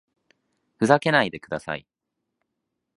ふざけないでください